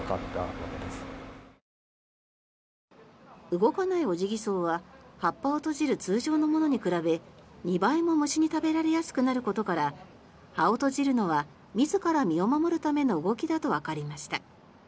動かないオジギソウは葉っぱを閉じる通常のものに比べ２倍も虫に食べられやすくなることから葉を閉じるのは自ら身を守るための動きだとわかりました。